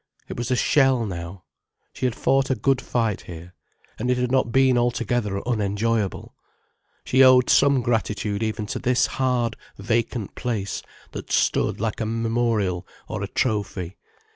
It was a shell now. She had fought a good fight here, and it had not been altogether unenjoyable. She owed some gratitude even to this hard, vacant place, that stood like a memorial or a trophy.